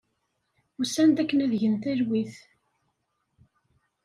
Usan-d akken ad gen talwit.